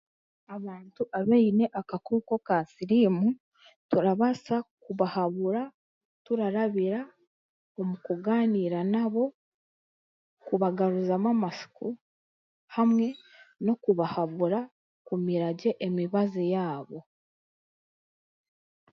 Abantu abaine akakooko ka siriimu turabaasa kubahabura turarabira omu kugaaniira nabo, kubagaruramu amasiko, hamwe n'okubahabura kumiragye emibazi yaabo